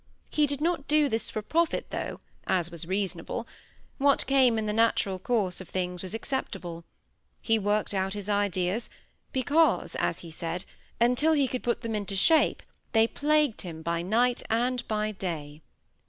He did not do this for profit, though, as was reasonable, what came in the natural course of things was acceptable; he worked out his ideas, because, as he said, "until he could put them into shape, they plagued him by night and by day."